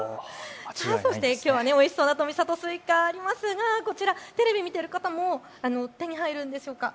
きょうはおいしそうな富里スイカ、ありますがテレビを見ている方も手に入るんでしょうか。